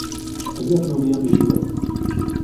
¿ellas no hubieran vivido?